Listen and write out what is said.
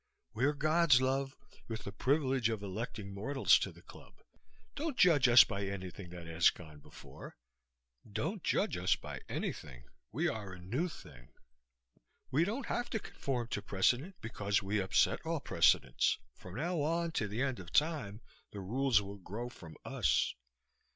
"We're gods, love, with the privilege of electing mortals to the club. Don't judge us by anything that has gone before. Don't judge us by anything. We are a New Thing. We don't have to conform to precedent because we upset all precedents. From now on, to the end of time, the rules will grow from us."